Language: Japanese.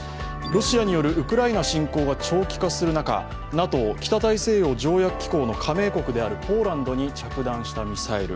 ロシアによるウクライナ侵攻が長期化するなか、ＮＡＴＯ＝北大西洋条約機構の加盟国であるポーランドに着弾したミサイル。